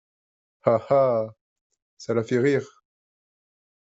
Ah ! ah ! ça la fait rire !…